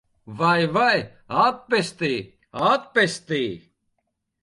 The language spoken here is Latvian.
Vai, vai! Atpestī! Atpestī!